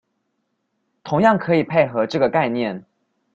同樣可以配合這個概念